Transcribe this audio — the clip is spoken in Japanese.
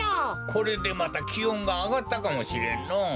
これでまたきおんがあがったかもしれんのう。